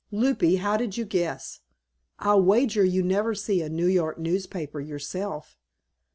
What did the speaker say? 'Lupie, how did you guess? I'll wager you never see a New York newspaper yourself."